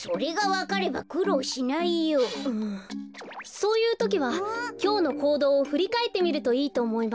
そういうときはきょうのこうどうをふりかえってみるといいとおもいます。